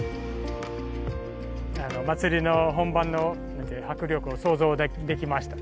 祭りの本番の迫力を想像できました。